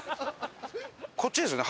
こっちですね。